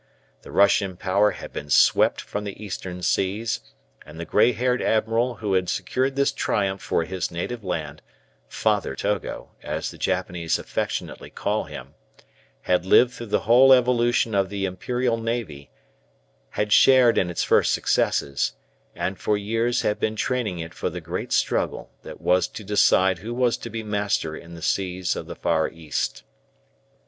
The Russian power had been swept from the Eastern Seas, and the grey haired admiral who had secured this triumph for his native land "Father Togo," as the Japanese affectionately call him had lived through the whole evolution of the Imperial Navy, had shared in its first successes, and for years had been training it for the great struggle that was to decide who was to be master in the seas of the Far East.